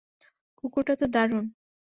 কুকুরটা তো দারুণ!